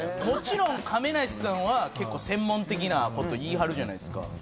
もちろん亀梨さんは結構専門的なこと言いはるじゃないですか